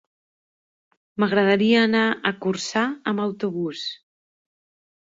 M'agradaria anar a Corçà amb autobús.